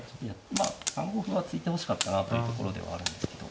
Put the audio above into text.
まあ３五歩は突いてほしかったなというところではあるんですけど。